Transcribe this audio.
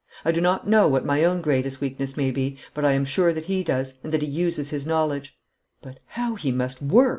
I do not know what my own greatest weakness may be, but I am sure that he does, and that he uses his knowledge.' 'But how he must work!'